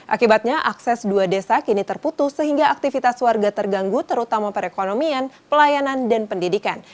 akibatnya akses dua desa kini terputus sehingga aktivitas warga terganggu terutama perekonomian pelayanan dan pendidikan